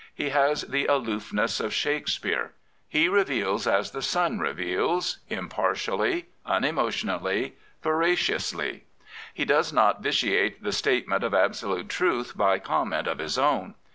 He has the aloofness of Shakespeare. He reveals as the sun reveals, impartially, unemotionally, veragipusly. He does not vitiate the statement of absolute truth by comment ofTiis own.